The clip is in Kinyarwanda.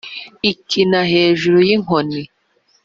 Ikina hejuru y' inkoni,